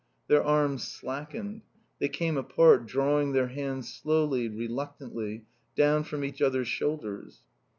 Their arms slackened; they came apart, drawing their hands slowly, reluctantly, down from each other's shoulders.